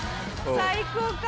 最高かも。